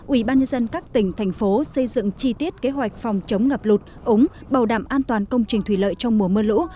ubnd các tỉnh thành phố xây dựng chi tiết kế hoạch phòng chống ngập lụt ống bảo đảm an toàn công trình thủy lợi trong mùa mưa lũ